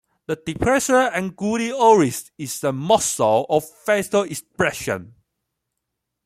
The depressor anguli oris is a muscle of facial expression.